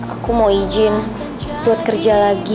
aku mau izin buat kerja lagi